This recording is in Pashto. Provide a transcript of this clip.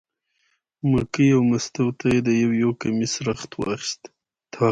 مکۍ او مستو ته یې د یو یو کمیس رخت واخیست.